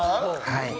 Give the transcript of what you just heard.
はい。